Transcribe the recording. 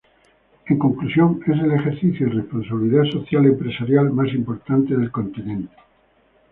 En conclusión es el ejercicio de responsabilidad social empresarial más importante del continente.